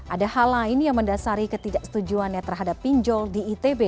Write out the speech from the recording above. ada hal lain yang mendasari ketidaksetujuannya terhadap pinjol di itb